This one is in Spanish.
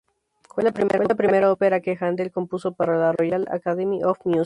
Fue la primera ópera que Händel compuso para la Royal Academy of Music.